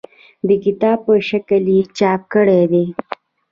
د کتاب په شکل یې چاپ کړي دي.